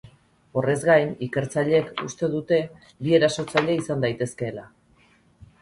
Horrez gain, ikertzaileek uste dute bi erasotzaile izan daitezkeela.